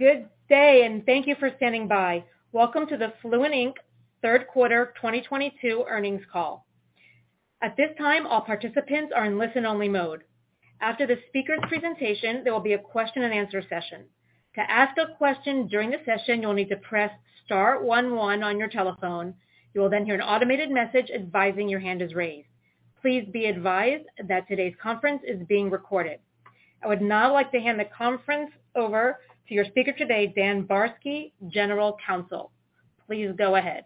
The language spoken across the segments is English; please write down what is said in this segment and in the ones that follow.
Good day and thank you for standing by. Welcome to the Fluent Inc third quarter 2022 earnings call. At this time, all participants are in listen-only mode. After the speaker's presentation, there will be a question-and-answer session. To ask a question during the session, you'll need to press star one one on your telephone. You will then hear an automated message advising your hand is raised. Please be advised that today's conference is being recorded. I would now like to hand the conference over to your speaker today, Dan Barsky, General Counsel. Please go ahead.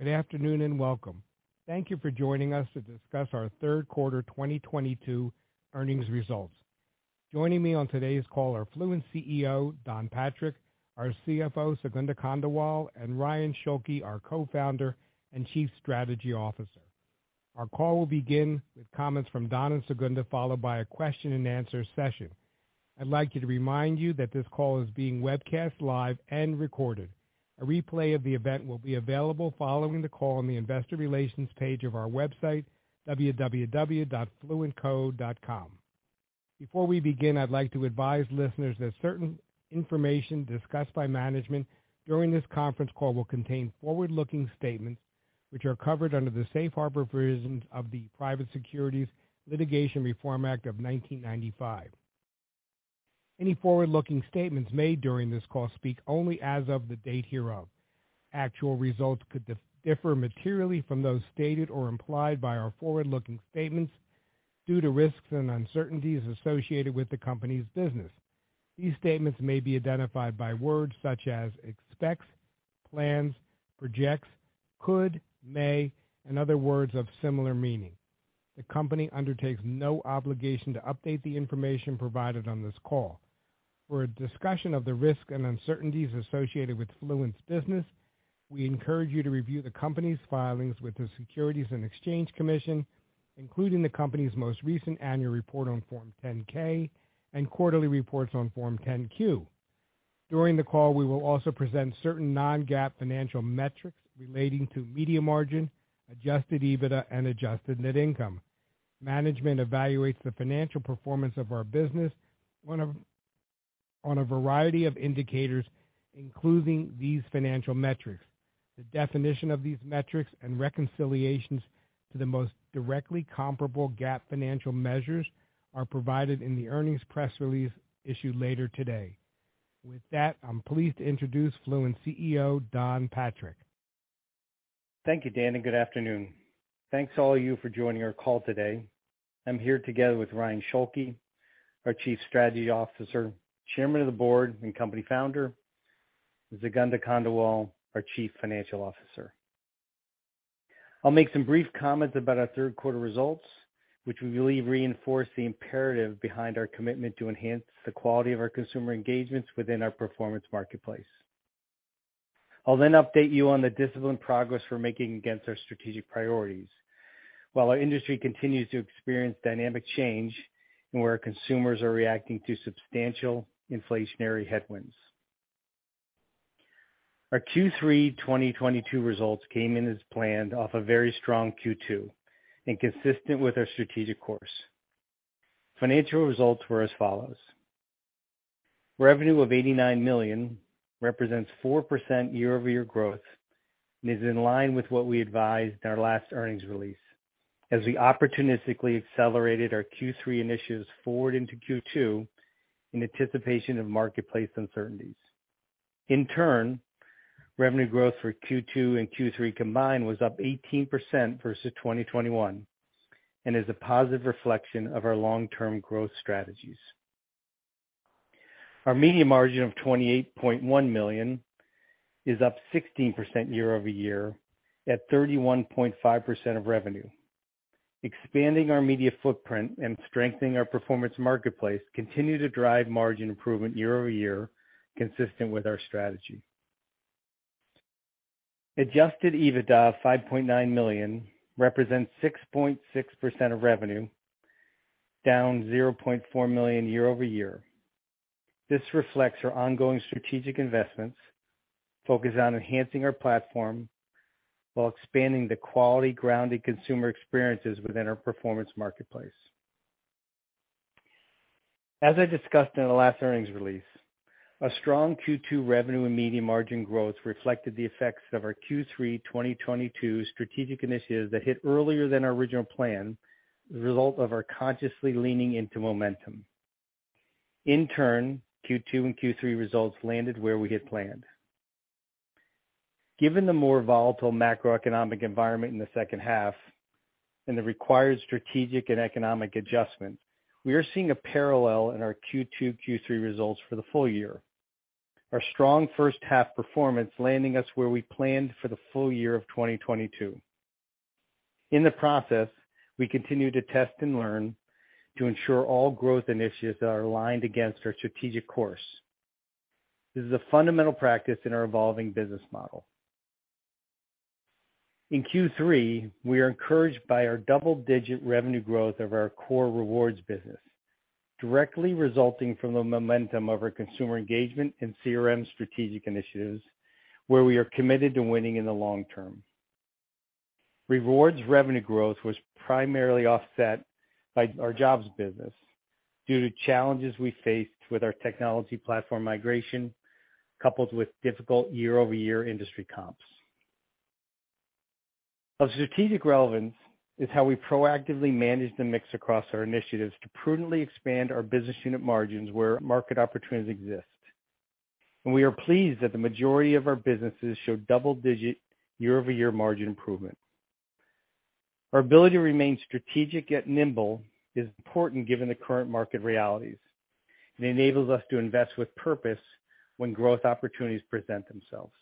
Good afternoon, and welcome. Thank you for joining us to discuss our third quarter 2022 earnings results. Joining me on today's call are Fluent CEO Don Patrick, our CFO Sugandha Khandelwal, and Ryan Schulke, our Co-Founder and Chief Strategy Officer. Our call will begin with comments from Don and Sugandha, followed by a question-and-answer session. I'd like to remind you that this call is being webcast live and recorded. A replay of the event will be available following the call on the investor relations page of our website, www.fluentco.com. Before we begin, I'd like to advise listeners that certain information discussed by management during this conference call will contain forward-looking statements which are covered under the safe harbor provisions of the Private Securities Litigation Reform Act of 1995. Any forward-looking statements made during this call speak only as of the date hereof. Actual results could differ materially from those stated or implied by our forward-looking statements due to risks and uncertainties associated with the company's business. These statements may be identified by words such as expects, plans, projects, could, may, and other words of similar meaning. The company undertakes no obligation to update the information provided on this call. For a discussion of the risks and uncertainties associated with Fluent's business, we encourage you to review the company's filings with the Securities and Exchange Commission, including the company's most recent annual report on Form 10-K and quarterly reports on Form 10-Q. During the call, we will also present certain non-GAAP financial metrics relating to media margin, adjusted EBITDA, and adjusted net income. Management evaluates the financial performance of our business on a variety of indicators, including these financial metrics. The definition of these metrics and reconciliations to the most directly comparable GAAP financial measures are provided in the earnings press release issued later today. With that, I'm pleased to introduce Fluent CEO, Don Patrick. Thank you, Dan, and good afternoon. Thanks all of you for joining our call today. I'm here together with Ryan Schulke, our Chief Strategy Officer, Chairman of the Board and Company Founder, Sugandha Khandelwal, our Chief Financial Officer. I'll make some brief comments about our third quarter results, which we believe reinforce the imperative behind our commitment to enhance the quality of our consumer engagements within our performance marketplace. I'll then update you on the disciplined progress we're making against our strategic priorities while our industry continues to experience dynamic change and where our consumers are reacting to substantial inflationary headwinds. Our Q3 2022 results came in as planned off a very strong Q2 and consistent with our strategic course. Financial results were as follows: Revenue of $89 million represents 4% year-over-year growth and is in line with what we advised in our last earnings release as we opportunistically accelerated our Q3 initiatives forward into Q2 in anticipation of marketplace uncertainties. In turn, revenue growth for Q2 and Q3 combined was up 18% versus 2021 and is a positive reflection of our long-term growth strategies. Our media margin of $28.1 million is up 16% year-over-year at 31.5% of revenue. Expanding our media footprint and strengthening our performance marketplace continue to drive margin improvement year-over-year, consistent with our strategy. Adjusted EBITDA of $5.9 million represents 6.6% of revenue, down $0.4 million year-over-year. This reflects our ongoing strategic investments focused on enhancing our platform while expanding the quality grounded consumer experiences within our performance marketplace. As I discussed in the last earnings release, a strong Q2 revenue and media margin growth reflected the effects of our Q3 2022 strategic initiatives that hit earlier than our original plan as a result of our consciously leaning into momentum. In turn, Q2 and Q3 results landed where we had planned. Given the more volatile macroeconomic environment in the second half and the required strategic and economic adjustment, we are seeing a parallel in our Q2, Q3 results for the full year. Our strong first half performance landing us where we planned for the full year of 2022. In the process, we continue to test and learn to ensure all growth initiatives are aligned against our strategic course. This is a fundamental practice in our evolving business model. In Q3, we are encouraged by our double-digit revenue growth of our core rewards business, directly resulting from the momentum of our consumer engagement and CRM strategic initiatives where we are committed to winning in the long term. Rewards revenue growth was primarily offset by our jobs business due to challenges we faced with our technology platform migration, coupled with difficult year-over-year industry comps. Of strategic relevance is how we proactively manage the mix across our initiatives to prudently expand our business unit margins where market opportunities exist. We are pleased that the majority of our businesses showed double digit year-over-year margin improvement. Our ability to remain strategic yet nimble is important given the current market realities, and enables us to invest with purpose when growth opportunities present themselves.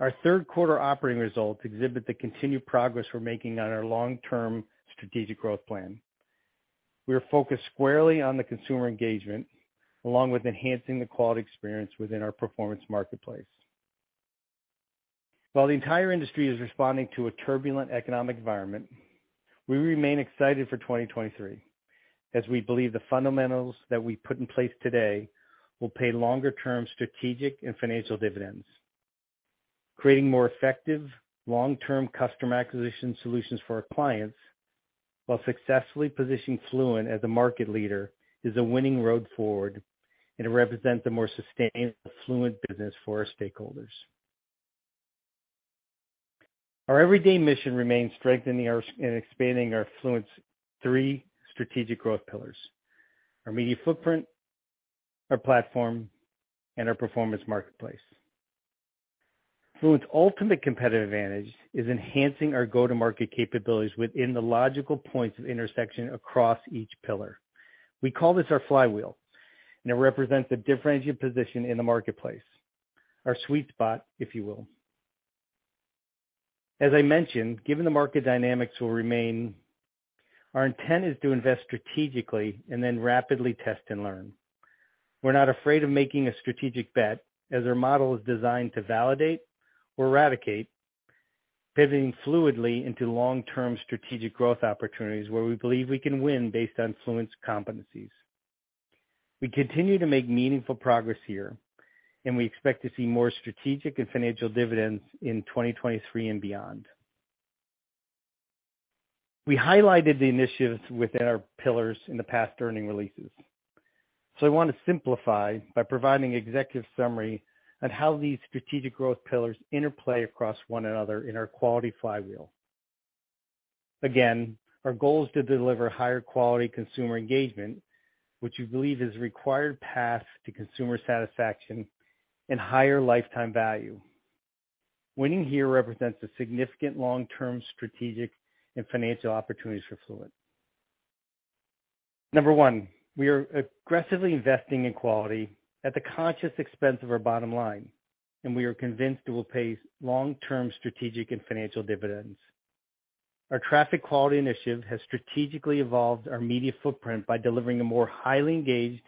Our third quarter operating results exhibit the continued progress we're making on our long-term strategic growth plan. We are focused squarely on the consumer engagement, along with enhancing the quality experience within our performance marketplace. While the entire industry is responding to a turbulent economic environment, we remain excited for 2023, as we believe the fundamentals that we put in place today will pay longer-term strategic and financial dividends. Creating more effective long-term customer acquisition solutions for our clients, while successfully positioning Fluent as a market leader, is a winning road forward and it represents a more sustainable Fluent business for our stakeholders. Our everyday mission remains strengthening and expanding our Fluent's three strategic growth pillars, our media footprint, our platform, and our performance marketplace. Fluent's ultimate competitive advantage is enhancing our go-to-market capabilities within the logical points of intersection across each pillar. We call this our flywheel, and it represents a differentiated position in the marketplace. Our sweet spot, if you will. As I mentioned, given the market dynamics will remain, our intent is to invest strategically and then rapidly test and learn. We're not afraid of making a strategic bet as our model is designed to validate or eradicate, pivoting fluidly into long-term strategic growth opportunities where we believe we can win based on Fluent's competencies. We continue to make meaningful progress here, and we expect to see more strategic and financial dividends in 2023 and beyond. We highlighted the initiatives within our pillars in the past earnings releases, so I want to simplify by providing executive summary on how these strategic growth pillars interplay across one another in our quality flywheel. Again, our goal is to deliver higher quality consumer engagement, which we believe is the required path to consumer satisfaction and higher lifetime value. Winning here represents a significant long-term strategic and financial opportunities for Fluent. Number one, we are aggressively investing in quality at the conscious expense of our bottom line, and we are convinced it will pay long-term strategic and financial dividends. Our traffic quality initiative has strategically evolved our media footprint by delivering a more highly engaged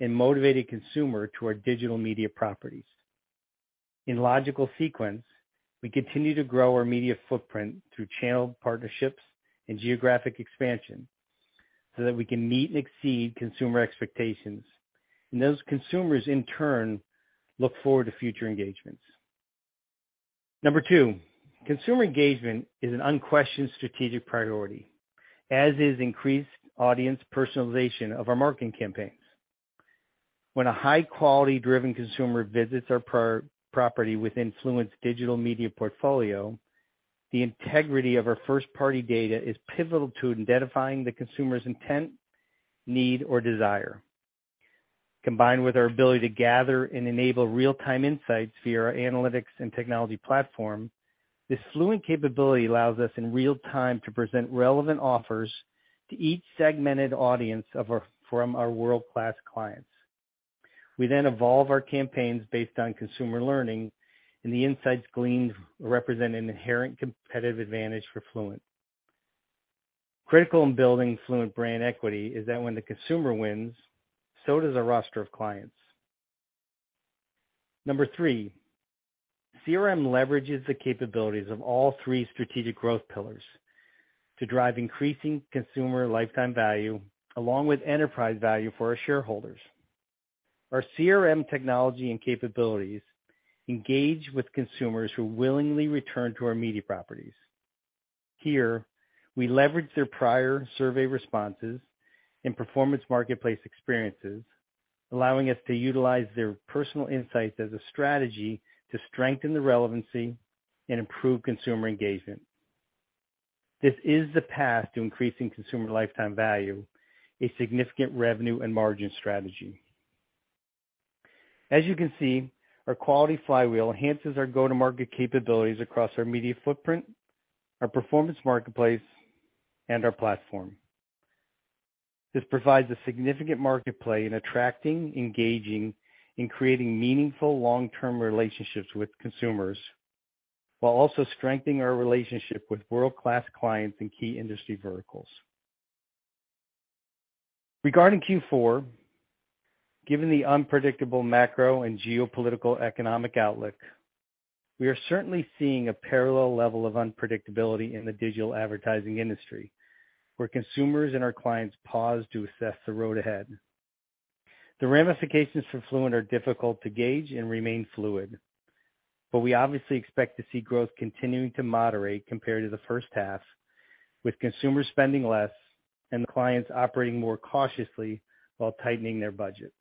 and motivated consumer to our digital media properties. In logical sequence, we continue to grow our media footprint through channel partnerships and geographic expansion so that we can meet and exceed consumer expectations, and those consumers in turn look forward to future engagements. Number two, consumer engagement is an unquestioned strategic priority, as is increased audience personalization of our marketing campaigns. When a high-quality driven consumer visits our property within Fluent's digital media portfolio, the integrity of our first-party data is pivotal to identifying the consumer's intent, need, or desire. Combined with our ability to gather and enable real-time insights via our analytics and technology platform, this Fluent capability allows us in real time to present relevant offers to each segmented audience from our world-class clients. We then evolve our campaigns based on consumer learning, and the insights gleaned represent an inherent competitive advantage for Fluent. Critical in building Fluent brand equity is that when the consumer wins, so does our roster of clients. Number three, CRM leverages the capabilities of all three strategic growth pillars to drive increasing consumer lifetime value along with enterprise value for our shareholders. Our CRM technology and capabilities engage with consumers who willingly return to our media properties. Here, we leverage their prior survey responses and performance marketplace experiences, allowing us to utilize their personal insights as a strategy to strengthen the relevancy and improve consumer engagement. This is the path to increasing consumer lifetime value, a significant revenue and margin strategy. As you can see, our quality flywheel enhances our go-to-market capabilities across our media footprint, our performance marketplace, and our platform. This provides a significant market play in attracting, engaging, and creating meaningful long-term relationships with consumers, while also strengthening our relationship with world-class clients in key industry verticals. Regarding Q4, given the unpredictable macro and geopolitical economic outlook, we are certainly seeing a parallel level of unpredictability in the digital advertising industry, where consumers and our clients pause to assess the road ahead. The ramifications for Fluent are difficult to gauge and remain fluid, but we obviously expect to see growth continuing to moderate compared to the first half, with consumer spending less and the clients operating more cautiously while tightening their budget.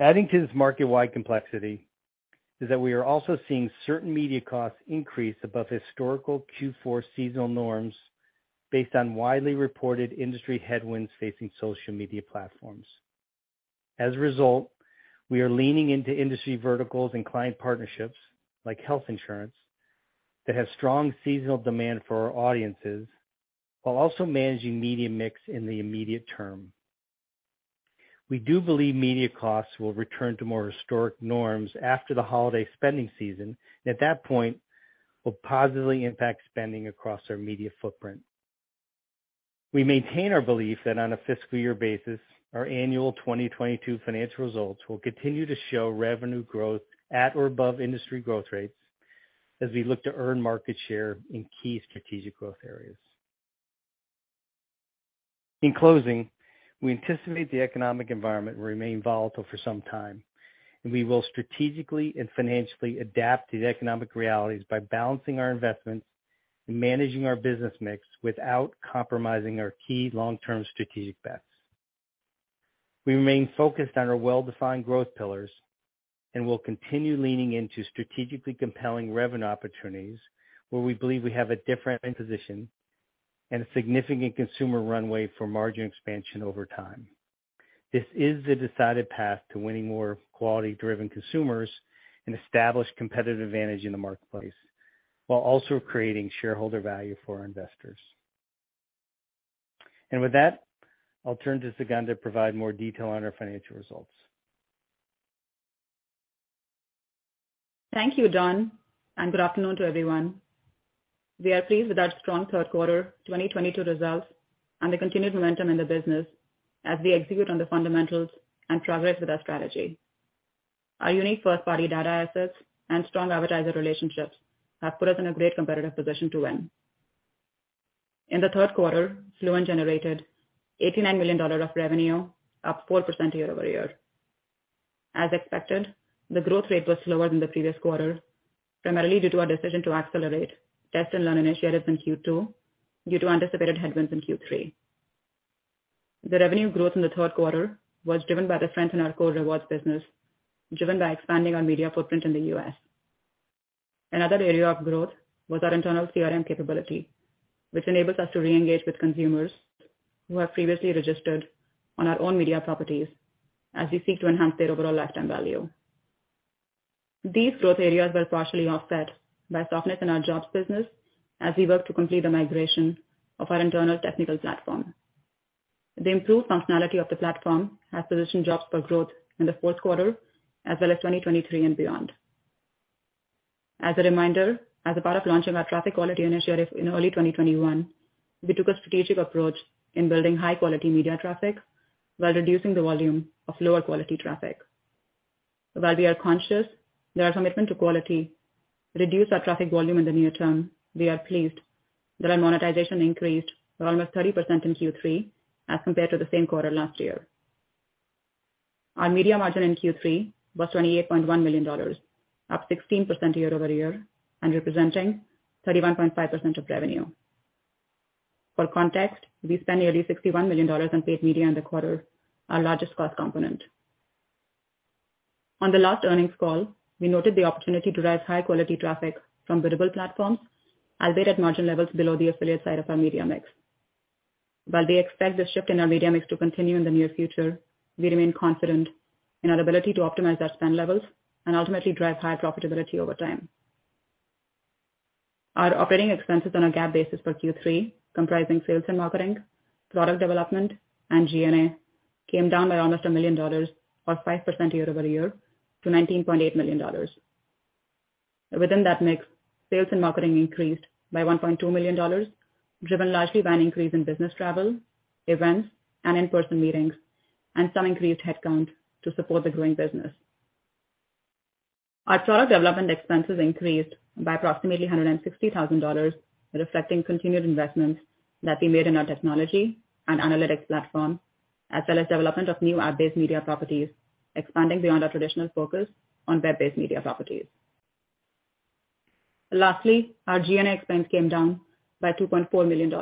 Adding to this market-wide complexity is that we are also seeing certain media costs increase above historical Q4 seasonal norms based on widely reported industry headwinds facing social media platforms. As a result, we are leaning into industry verticals and client partnerships like health insurance that have strong seasonal demand for our audiences while also managing media mix in the immediate term. We do believe media costs will return to more historic norms after the holiday spending season. At that point, will positively impact spending across our media footprint. We maintain our belief that on a fiscal year basis, our annual 2022 financial results will continue to show revenue growth at or above industry growth rates as we look to earn market share in key strategic growth areas. In closing, we anticipate the economic environment will remain volatile for some time, and we will strategically and financially adapt to the economic realities by balancing our investments and managing our business mix without compromising our key long-term strategic bets. We remain focused on our well-defined growth pillars and will continue leaning into strategically compelling revenue opportunities where we believe we have a different position and a significant consumer runway for margin expansion over time. This is the decided path to winning more quality-driven consumers and establish competitive advantage in the marketplace while also creating shareholder value for our investors. With that, I'll turn to Sugandha to provide more detail on our financial results. Thank you, Don, and good afternoon to everyone. We are pleased with our strong third quarter 2022 results and the continued momentum in the business as we execute on the fundamentals and progress with our strategy. Our unique first-party data assets and strong advertiser relationships have put us in a great competitive position to win. In the third quarter, Fluent generated $89 million of revenue, up 4% year-over-year. As expected, the growth rate was slower than the previous quarter, primarily due to our decision to accelerate test and learn initiatives in Q2 due to anticipated headwinds in Q3. The revenue growth in the third quarter was driven by the strength in our core rewards business, driven by expanding our media footprint in the U.S.. Another area of growth was our internal CRM capability, which enables us to reengage with consumers who have previously registered on our own media properties as we seek to enhance their overall lifetime value. These growth areas were partially offset by softness in our jobs business as we work to complete the migration of our internal technical platform. The improved functionality of the platform has positioned jobs for growth in the fourth quarter as well as 2023 and beyond. As a reminder, as a part of launching our traffic quality initiative in early 2021, we took a strategic approach in building high-quality media traffic while reducing the volume of lower quality traffic. While we are conscious that our commitment to quality reduces our traffic volume in the near term, we are pleased that our monetization increased by almost 30% in Q3 as compared to the same quarter last year. Our media margin in Q3 was $28.1 million, up 16% year-over-year and representing 31.5% of revenue. For context, we spent nearly $61 million on paid media in the quarter, our largest cost component. On the last earnings call, we noted the opportunity to drive high-quality traffic from biddable platforms as they had margin levels below the affiliate side of our media mix. While we expect the shift in our media mix to continue in the near future, we remain confident in our ability to optimize our spend levels and ultimately drive higher profitability over time. Our operating expenses on a GAAP basis for Q3, comprising sales and marketing, product development, and G&A, came down by almost $1 million or 5% year-over-year to $19.8 million. Within that mix, sales and marketing increased by $1.2 million, driven largely by an increase in business travel, events, and in-person meetings, and some increased headcount to support the growing business. Our product development expenses increased by approximately $160,000, reflecting continued investments that we made in our technology and analytics platform, as well as development of new ad-based media properties, expanding beyond our traditional focus on web-based media properties. Lastly, our G&A expense came down by $2.4 million.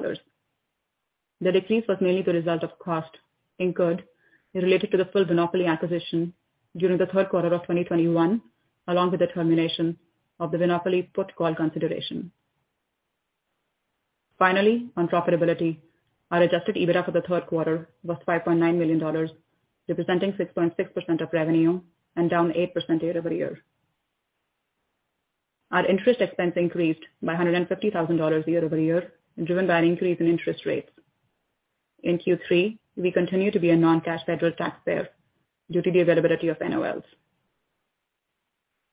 The decrease was mainly the result of cost incurred related to the full Winopoly acquisition during the third quarter of 2021, along with the termination of the Winopoly put/call consideration. Finally, on profitability, our adjusted EBITDA for the third quarter was $5.9 million, representing 6.6% of revenue and down 8% year-over-year. Our interest expense increased by $150,000 year-over-year, driven by an increase in interest rates. In Q3, we continue to be a non-cash federal taxpayer due to the availability of NOLs.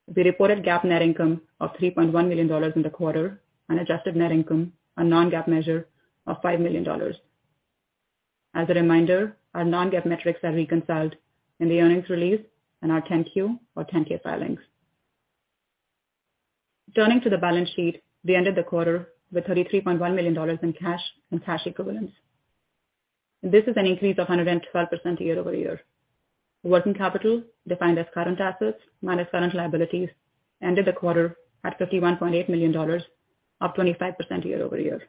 The reported GAAP net income of $3.1 million in the quarter and adjusted net income, a non-GAAP measure, of $5 million. As a reminder, our non-GAAP metrics are reconciled in the earnings release and our 10-Q or 10-K filings. Turning to the balance sheet, we ended the quarter with $33.1 million in cash and cash equivalents. This is an increase of 112% year-over-year. Working capital, defined as current assets minus current liabilities, ended the quarter at $51.8 million, up 25% year-over-year.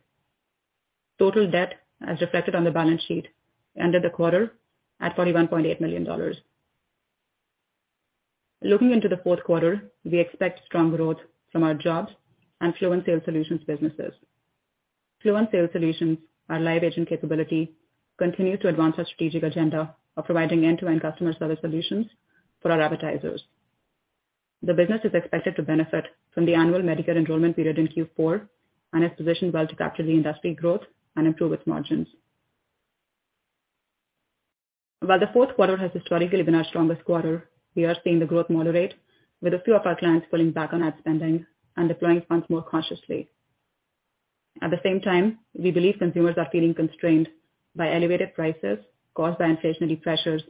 Total debt, as reflected on the balance sheet, ended the quarter at $41.8 million. Looking into the fourth quarter, we expect strong growth from our jobs and Fluent Sales Solutions businesses. Fluent Sales Solutions, our live agent capability, continues to advance our strategic agenda of providing end-to-end customer service solutions for our advertisers. The business is expected to benefit from the annual Medicare enrollment period in Q4 and is positioned well to capture the industry growth and improve its margins. While the fourth quarter has historically been our strongest quarter, we are seeing the growth moderate, with a few of our clients pulling back on ad spending and deploying funds more cautiously. At the same time, we believe consumers are feeling constrained by elevated prices caused by inflationary pressures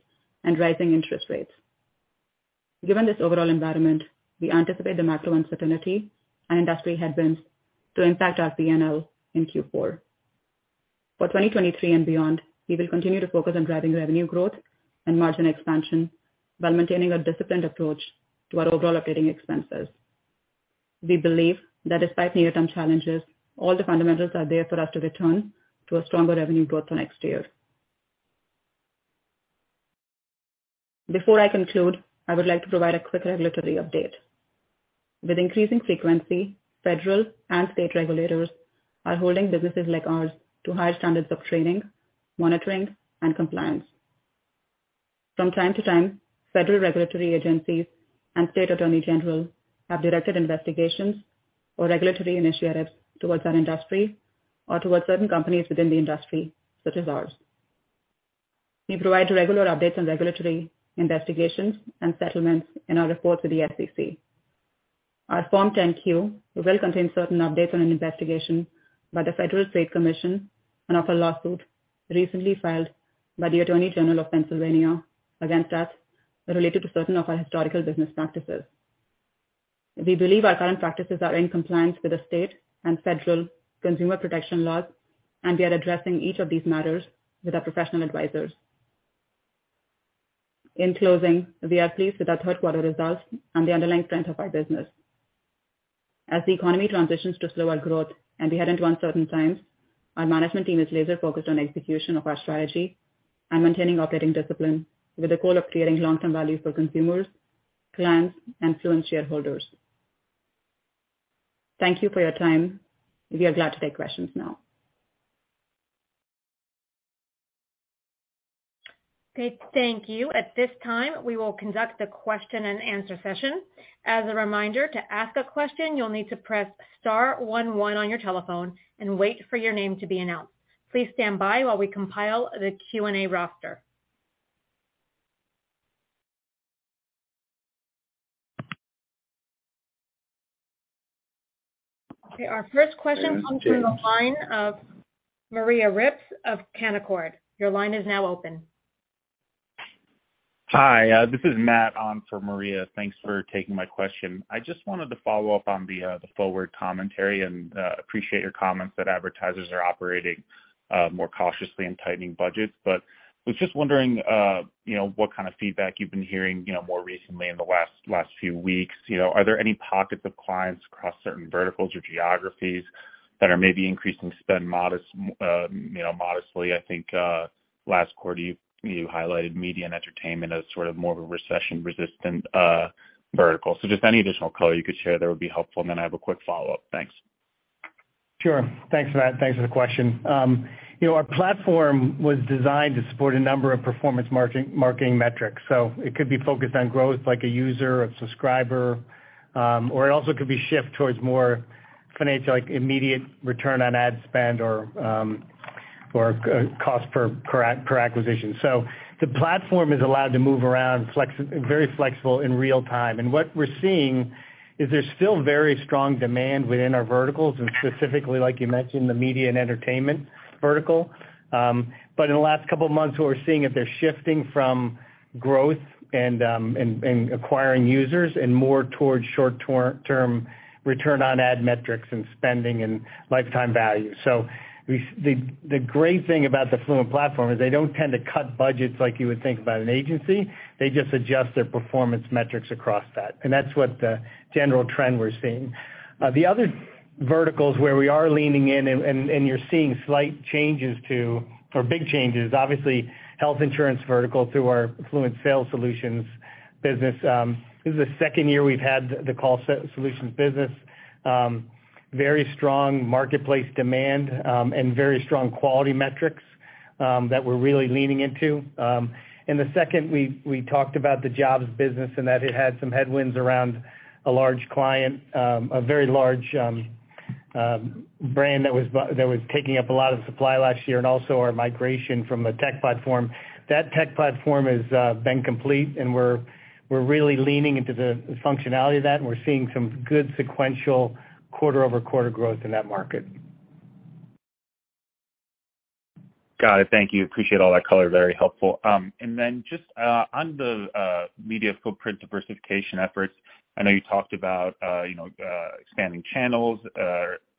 and rising interest rates. Given this overall environment, we anticipate the macro uncertainty and industry headwinds to impact our P&L in Q4. For 2023 and beyond, we will continue to focus on driving revenue growth and margin expansion while maintaining a disciplined approach to our overall operating expenses. We believe that despite near-term challenges, all the fundamentals are there for us to return to a stronger revenue growth for next year. Before I conclude, I would like to provide a quick regulatory update. With increasing frequency, federal and state regulators are holding businesses like ours to high standards of training, monitoring, and compliance. From time to time, federal regulatory agencies and state attorneys general have directed investigations or regulatory initiatives towards our industry or towards certain companies within the industry, such as ours. We provide regular updates on regulatory investigations and settlements in our reports with the SEC. Our Form 10-Q will contain certain updates on an investigation by the Federal Trade Commission and of a lawsuit recently filed by the Attorney General of Pennsylvania against us related to certain of our historical business practices. We believe our current practices are in compliance with the state and federal consumer protection laws, and we are addressing each of these matters with our professional advisors. In closing, we are pleased with our third quarter results and the underlying strength of our business. As the economy transitions to slower growth and we head into uncertain times, our management team is laser-focused on execution of our strategy and maintaining operating discipline with the goal of creating long-term value for consumers, clients, and Fluent shareholders. Thank you for your time. We are glad to take questions now. Great. Thank you. At this time, we will conduct the question-and-answer session. As a reminder, to ask a question, you'll need to press star one one on your telephone and wait for your name to be announced. Please stand by while we compile the Q&A roster. Okay. Our first question comes from the line of Maria Ripps of Canaccord Genuity. Your line is now open. Hi, this is Matt on for Maria. Thanks for taking my question. I just wanted to follow up on the forward commentary, and appreciate your comments that advertisers are operating more cautiously in tightening budgets. I was just wondering, you know, what kind of feedback you've been hearing, you know, more recently in the last few weeks. You know, are there any pockets of clients across certain verticals or geographies that are maybe increasing spend modestly? I think last quarter you highlighted media and entertainment as sort of more of a recession-resistant vertical. Just any additional color you could share there would be helpful. Then I have a quick follow-up. Thanks. Sure. Thanks, Matt. Thanks for the question. You know, our platform was designed to support a number of performance marketing metrics, so it could be focused on growth like a user, a subscriber, or it also could be shift towards more financial, like immediate return on ad spend or cost per acquisition. The platform is allowed to move around very flexible in real time. What we're seeing is there's still very strong demand within our verticals and specifically, like you mentioned, the media and entertainment vertical. In the last couple of months, we're seeing that they're shifting from growth and acquiring users and more towards short-term return on ad metrics and spending and lifetime value. The great thing about the Fluent platform is they don't tend to cut budgets like you would think about an agency. They just adjust their performance metrics across that, and that's what the general trend we're seeing. The other verticals where we are leaning in and you're seeing slight changes to or big changes, obviously, health insurance vertical through our Fluent Sales Solutions business. This is the second year we've had the Call Solutions business. Very strong marketplace demand and very strong quality metrics that we're really leaning into. Secondly, we talked about the jobs business and that it had some headwinds around a large client, a very large brand that was taking up a lot of supply last year and also our migration from a tech platform. That tech platform is been complete and we're really leaning into the functionality of that and we're seeing some good sequential quarter-over-quarter growth in that market. Got it. Thank you. Appreciate all that color. Very helpful. Then just on the media footprint diversification efforts, I know you talked about you know expanding channels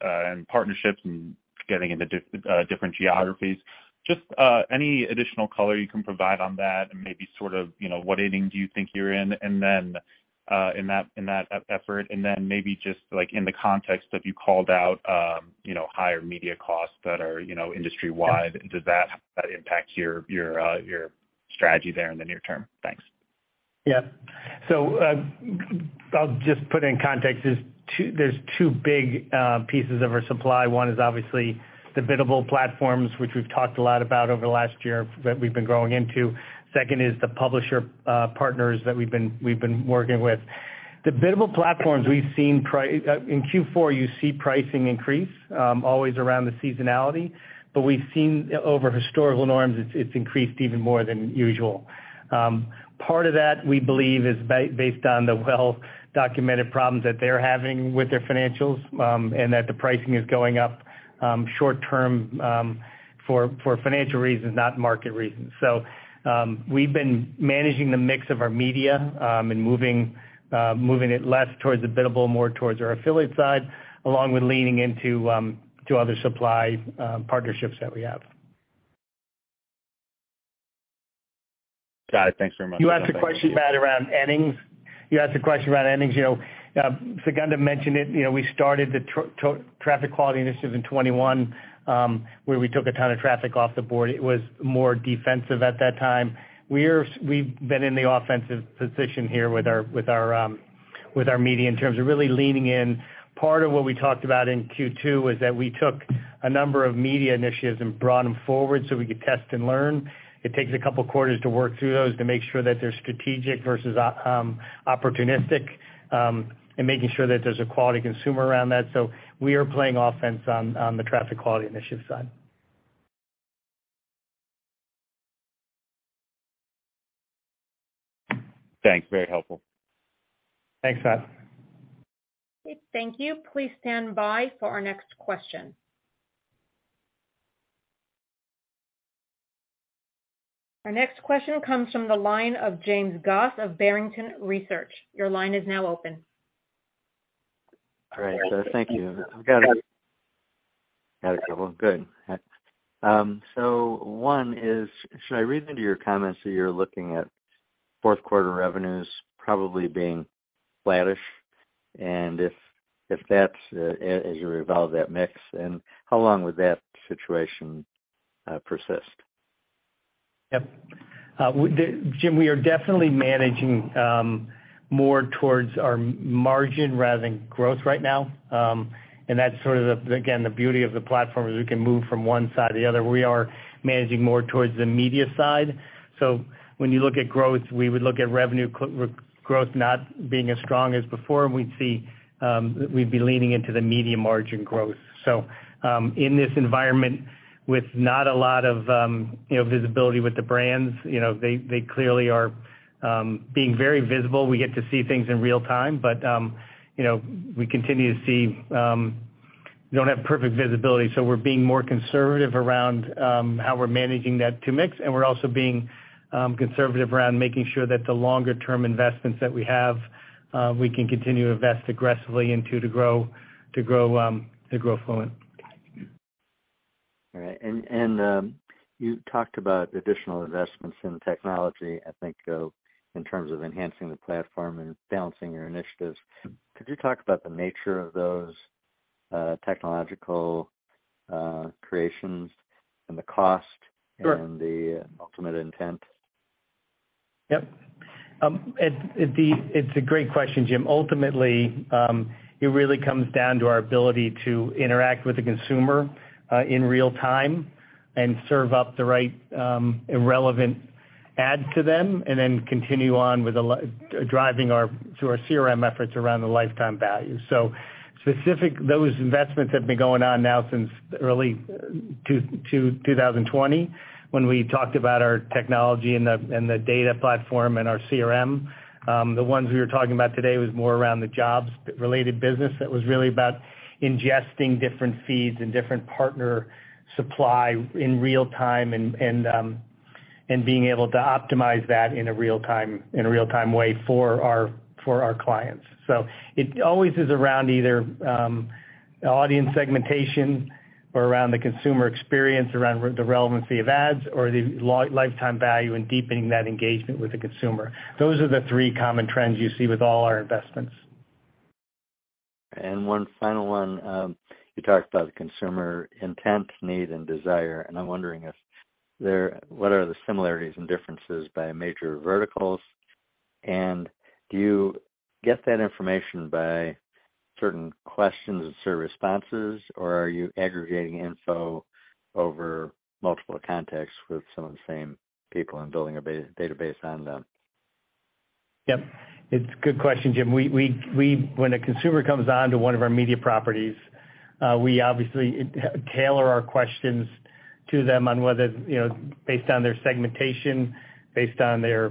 and partnerships and getting into different geographies. Just any additional color you can provide on that and maybe sort of you know what inning do you think you're in and then in that effort, and then maybe just like in the context of you called out you know higher media costs that are you know industry-wide. Yeah. Does that impact your strategy there in the near term? Thanks. Yeah. I'll just put it in context. There's two big pieces of our supply. One is obviously the biddable platforms, which we've talked a lot about over the last year that we've been growing into. Second is the publisher partners that we've been working with. The biddable platforms we've seen in Q4, you see pricing increase always around the seasonality, but we've seen over historical norms, it's increased even more than usual. Part of that, we believe, is based on the well-documented problems that they're having with their financials, and that the pricing is going up short term for financial reasons, not market reasons. We've been managing the mix of our media and moving it less towards the biddable, more towards our affiliate side, along with leaning into to other supply partnerships that we have. Got it. Thanks very much. You asked a question about innings. You know, Sugandha mentioned it. You know, we started the traffic quality initiatives in 2021, where we took a ton of traffic off the board. It was more defensive at that time. We are we've been in the offensive position here with our media in terms of really leaning in. Part of what we talked about in Q2 was that we took a number of media initiatives and brought them forward so we could test and learn. It takes a couple of quarters to work through those to make sure that they're strategic versus opportunistic, and making sure that there's a quality consumer around that. We are playing offense on the traffic quality initiative side. Thanks. Very helpful. Thanks, Matt. Okay, thank you. Please stand by for our next question. Our next question comes from the line of James Goss of Barrington Research. Your line is now open. All right. Thank you. I've got a couple. Good. One is, should I read into your comments that you're looking at fourth quarter revenues probably being flattish? If that's, as you evolve that mix, how long would that situation persist? Yep. Jim, we are definitely managing more towards our margin rather than growth right now. That's sort of the, again, the beauty of the platform, is we can move from one side to the other. We are managing more towards the media side. When you look at growth, we would look at revenue growth not being as strong as before, and we'd see, we'd be leaning into the media margin growth. In this environment with not a lot of you know, visibility with the brands, you know, they clearly are being very visible. We get to see things in real time. You know, we continue to see, we don't have perfect visibility, so we're being more conservative around how we're managing that to mix. We're also being conservative around making sure that the longer term investments that we have, we can continue to invest aggressively into to grow Fluent. All right. You talked about additional investments in technology, I think, in terms of enhancing the platform and balancing your initiatives. Could you talk about the nature of those technological creations and the cost? Sure. the ultimate intent? Yep. It's a great question, Jim. Ultimately, it really comes down to our ability to interact with the consumer in real time and serve up the right and relevant ad to them, and then continue on with driving to our CRM efforts around the lifetime value. Specifically, those investments have been going on now since early 2020, when we talked about our technology and the data platform and our CRM. The ones we were talking about today was more around the job-related business that was really about ingesting different feeds and different partner supply in real time and being able to optimize that in real time for our clients. It always is around either audience segmentation or around the consumer experience, around the relevancy of ads or the lifetime value and deepening that engagement with the consumer. Those are the three common trends you see with all our investments. One final one. You talked about the consumer intent, need, and desire, and I'm wondering what are the similarities and differences by major verticals, and do you get that information by certain questions and certain responses, or are you aggregating info over multiple contexts with some of the same people and building a database on them? Yep. It's a good question, Jim. We when a consumer comes on to one of our media properties, we obviously tailor our questions to them on whether, you know, based on their segmentation, based on their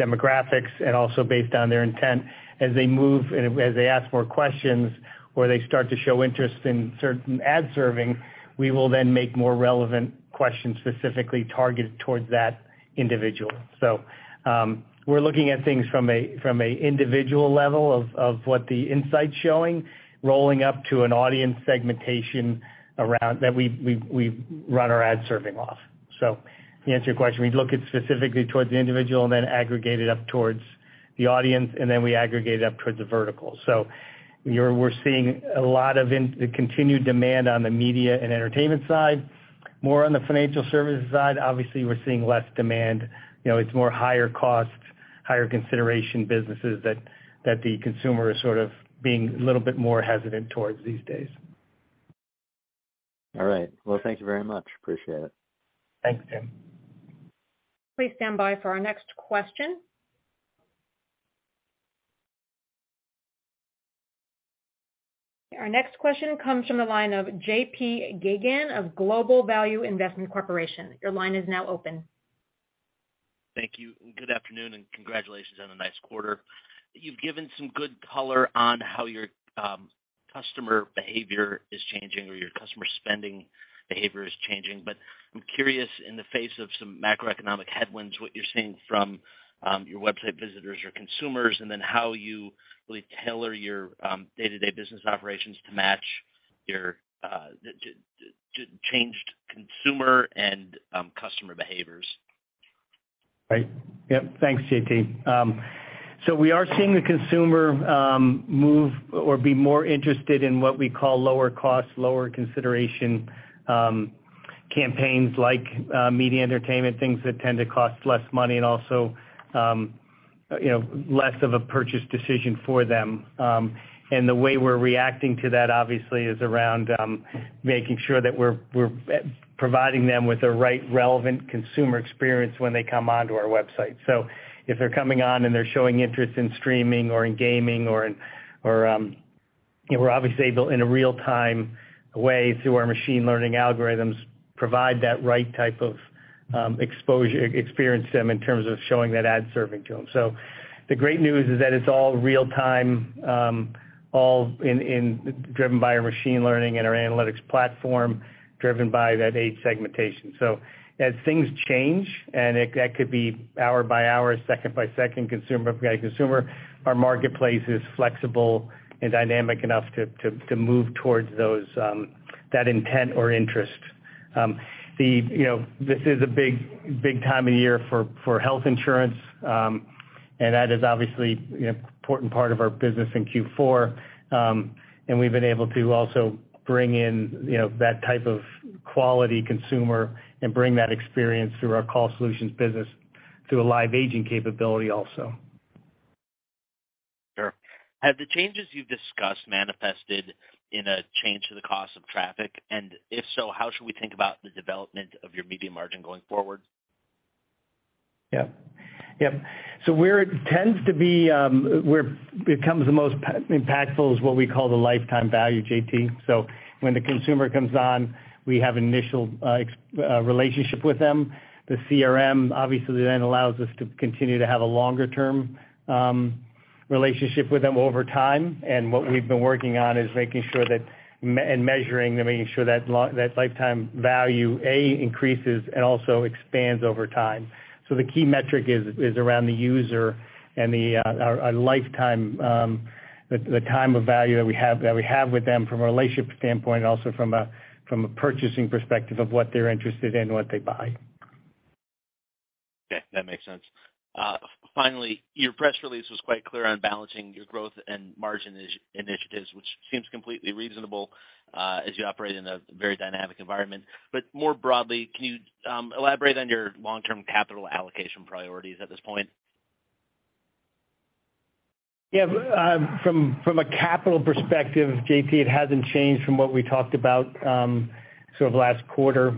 demographics, and also based on their intent as they move and as they ask more questions or they start to show interest in certain ad serving, we will then make more relevant questions specifically targeted towards that individual. We're looking at things from a individual level of what the insight's showing, rolling up to an audience segmentation around that we run our ad serving off. To answer your question, we look at specifically towards the individual and then aggregate it up towards the audience, and then we aggregate up towards the vertical. We're seeing a lot of the continued demand on the media and entertainment side. More on the financial services side, obviously, we're seeing less demand. You know, it's more higher cost, higher consideration businesses that the consumer is sort of being a little bit more hesitant towards these days. All right. Well, thank you very much. Appreciate it. Thanks, Jim. Please stand by for our next question. Our next question comes from the line of JP Geygan of Global Value Investment Corp. Your line is now open. Thank you, and good afternoon, and congratulations on a nice quarter. You've given some good color on how your customer behavior is changing or your customer spending behavior is changing. I'm curious, in the face of some macroeconomic headwinds, what you're seeing from your website visitors or consumers, and then how you really tailor your day-to-day business operations to match your changed consumer and customer behaviors. Right. Yep. Thanks, JP. We are seeing the consumer move or be more interested in what we call lower cost, lower consideration campaigns like media entertainment, things that tend to cost less money and also, you know, less of a purchase decision for them. The way we're reacting to that, obviously, is around making sure that we're providing them with the right relevant consumer experience when they come onto our website. If they're coming on and they're showing interest in streaming or in gaming, we're obviously able, in a real-time way through our machine learning algorithms, to provide that right type of exposure experience to them in terms of showing that ad serving to them. The great news is that it's all real-time, all in driven by our machine learning and our analytics platform, driven by that age segmentation. As things change, and that could be hour by hour, second by second, consumer by consumer, our marketplace is flexible and dynamic enough to move towards those that intent or interest. You know, this is a big time of year for health insurance, and that is obviously an important part of our business in Q4. We've been able to also bring in, you know, that type of quality consumer and bring that experience through our Call Solutions business through a live agent capability also. Sure. Have the changes you've discussed manifested in a change to the cost of traffic? If so, how should we think about the development of your media margin going forward? Yeah. Yep. Where it tends to be where it becomes the most impactful is what we call the lifetime value, JP. When the consumer comes on, we have initial relationship with them. The CRM obviously then allows us to continue to have a longer-term relationship with them over time. What we've been working on is making sure that measuring and making sure that lifetime value increases and also expands over time. The key metric is around the user and our lifetime value that we have with them from a relationship standpoint, also from a purchasing perspective of what they're interested in, what they buy. Okay, that makes sense. Finally, your press release was quite clear on balancing your growth and margin initiatives, which seems completely reasonable, as you operate in a very dynamic environment. More broadly, can you elaborate on your long-term capital allocation priorities at this point? From a capital perspective, JP, it hasn't changed from what we talked about sort of last quarter.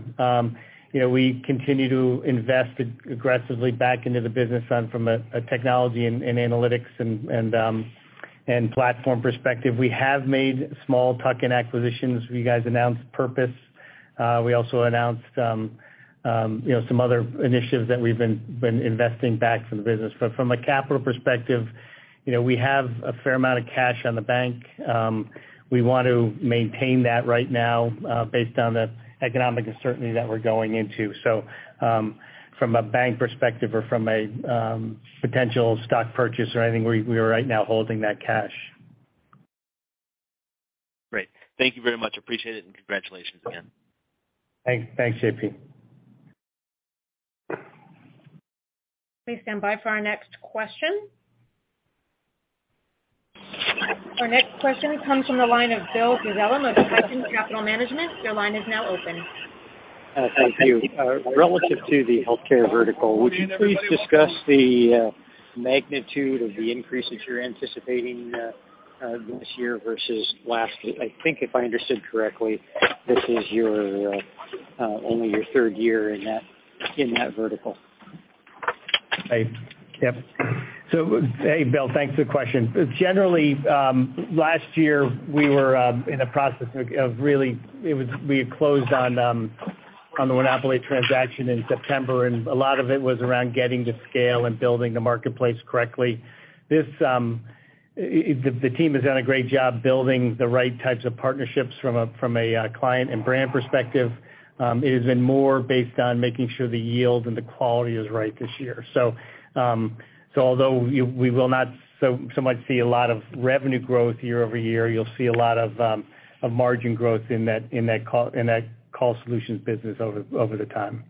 You know, we continue to invest aggressively back into the business from a technology and analytics and platform perspective. We have made small tuck-in acquisitions. You guys announced Purpose. We also announced you know some other initiatives that we've been investing back into the business. From a capital perspective, you know, we have a fair amount of cash in the bank. We want to maintain that right now based on the economic uncertainty that we're going into. From a buyback perspective or from a potential stock purchase or anything, we are right now holding that cash. Great. Thank you very much. Appreciate it, and congratulations again. Thanks. Thanks, JP. Please stand by for our next question. Our next question comes from the line of Bill Dezellem of Hudson Capital Management. Your line is now open. Thank you. Relative to the healthcare vertical, would you please discuss the magnitude of the increase that you're anticipating this year versus last year? I think if I understood correctly, this is only your third year in that vertical. Right. Yep. Hey, Bill, thanks for the question. Generally, last year, we were in the process of closing on the Winopoly transaction in September, and a lot of it was around getting to scale and building the marketplace correctly. This, the team has done a great job building the right types of partnerships from a client and brand perspective. It has been more based on making sure the yield and the quality is right this year. Although we will not see so much revenue growth year-over-year, you'll see a lot of margin growth in that Call Solutions business over the time.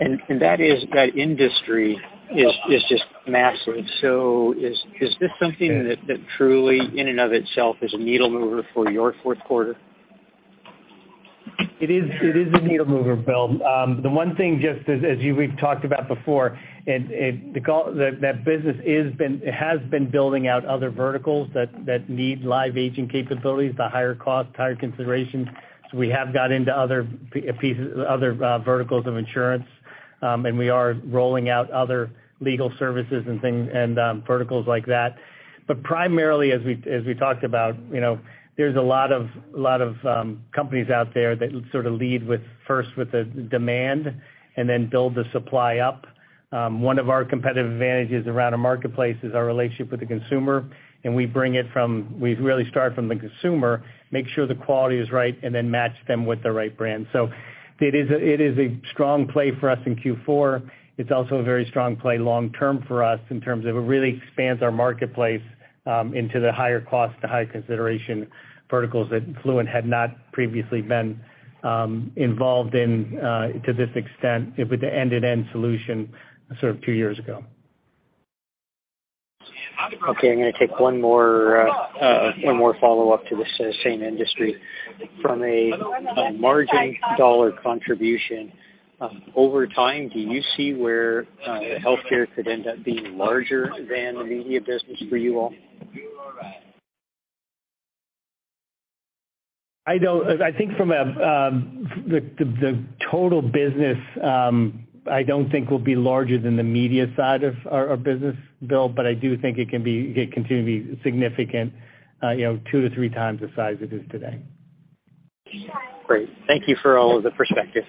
That industry is just massive. Is this something that truly in and of itself is a needle mover for your fourth quarter? It is a needle mover, Bill. The one thing just as we've talked about before, and the call, that business has been building out other verticals that need live agent capabilities, the higher cost, higher considerations. We have got into other pieces, other verticals of insurance, and we are rolling out other legal services and things and verticals like that. Primarily, as we talked about, you know, there's a lot of companies out there that sort of lead first with the demand and then build the supply up. One of our competitive advantages around a marketplace is our relationship with the consumer, and we bring it from, we really start from the consumer, make sure the quality is right, and then match them with the right brand. It is a strong play for us in Q4. It's also a very strong play long term for us in terms of it really expands our marketplace into the higher cost to high consideration verticals that Fluent had not previously been involved in to this extent with the end-to-end solution sort of two years ago. Okay, I'm gonna take one more follow-up to this same industry. From a margin dollar contribution over time, do you see where healthcare could end up being larger than the media business for you all? I don't. I think from the total business I don't think will be larger than the media side of our business, Bill, but I do think it can be, it can continue to be significant, you know, two to three times the size it is today. Great. Thank you for all of the perspective.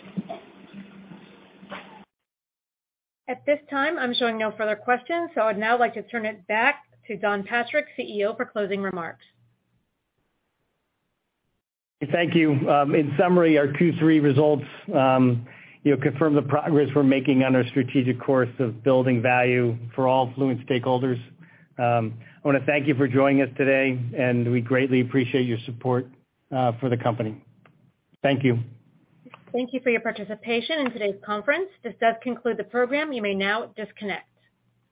At this time, I'm showing no further questions, so I'd now like to turn it back to Don Patrick, CEO, for closing remarks. Thank you. In summary, our Q3 results, you know, confirm the progress we're making on our strategic course of building value for all Fluent stakeholders. I wanna thank you for joining us today, and we greatly appreciate your support, for the company. Thank you. Thank you for your participation in today's conference. This does conclude the program. You may now disconnect.